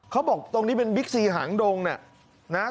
เขาบอกตรงนี้เป็นบิ๊กซีหางดงเนี่ยนะ